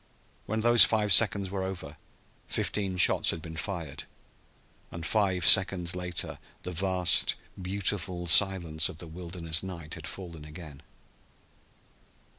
When those five seconds were over fifteen shots had been fired, and five seconds later the vast, beautiful silence of the wilderness night had fallen again.